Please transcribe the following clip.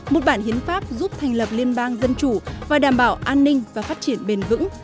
một bản hiến pháp giúp thành lập liên bang dân chủ và đảm bảo an ninh và phát triển bền vững